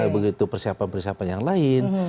begitu persiapan persiapan yang lain